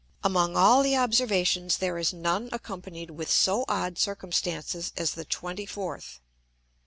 Among all the Observations there is none accompanied with so odd circumstances as the twenty fourth.